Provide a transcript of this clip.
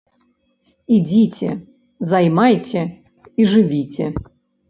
Ідзіце, займайце і жывіце.